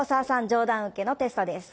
上段受けのテストです。